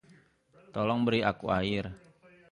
Tolong beri aku air.